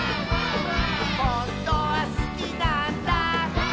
「ほんとはすきなんだ」